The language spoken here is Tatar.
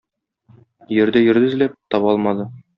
Йөрде-йөрде эзләп, таба алмады.